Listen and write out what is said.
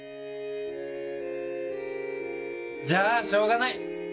じゃあしょうがない！